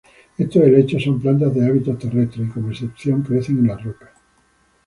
Estos helechos son plantas de hábitos terrestres y como excepción crecen en las rocas.